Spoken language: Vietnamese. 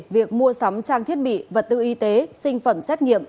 việc mua sắm trang thiết bị vật tư y tế sinh phẩm xét nghiệm